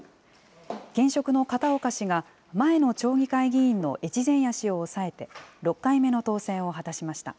現職の片岡氏が、前の町議会議員の越前谷氏を抑えて、６回目の当選を果たしました。